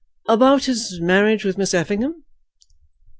"About his marriage with Miss Effingham?"